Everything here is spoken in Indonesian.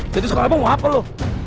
jadi sekolah abang mau apa lo